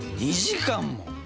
２時間も！？